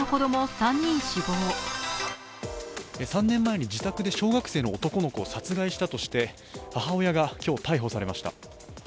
３年前に自宅で小学生の男の子を殺害したとして母親が今日、逮捕されました。